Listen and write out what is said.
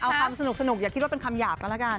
เอาคำสนุกอย่าคิดว่าเป็นคำหยาบก็แล้วกัน